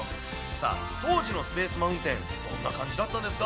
さあ、当時のスペース・マウンテン、どんな感じだったんですか？